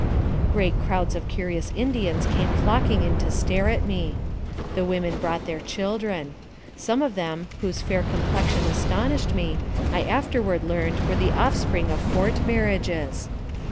Great crowds of curious Indians came flocking in to stare at me. The women brought their children. Some of them, whose fair complexion astonished me, I afterward learned were the offspring of fort mar riages.